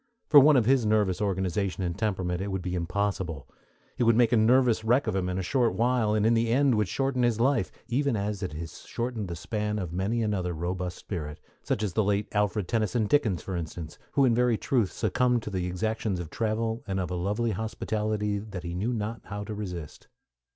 For one of his nervous organization and temperament it would be impossible. It would make a nervous wreck of him in a short while, and in the end would shorten his life, even as it has shortened the span of many another robust spirit; such as the late Alfred Tennyson Dickens, for instance, who in very truth succumbed to the exactions of travel and of a lovely hospitality that he knew not how to resist.